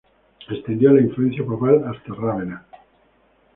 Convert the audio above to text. Extendió la influencia papal hasta Rávena.